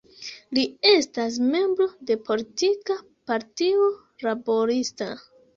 Li estas membro de politika partio laborista.